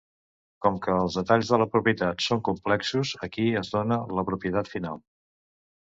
Com que els detalls de la propietat són complexos, aquí es dóna la propietat final.